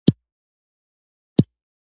ولتاژ په ولټ کې اندازه کېږي.